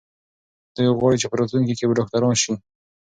دوی غواړي چې په راتلونکي کې ډاکټران سي.